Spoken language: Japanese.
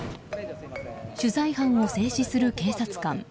取材班を制止する警察官。